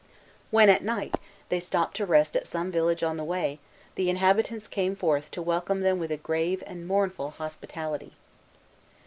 When, at night, they stopped to rest at some village on the way, the inhabitants came forth to welcome them with a grave and mournful hospitality.